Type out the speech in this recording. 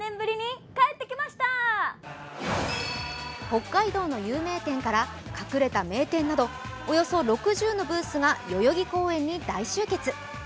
北海道の有名店から隠れた名店などおよそ６０のブースが代々木公園に大集結。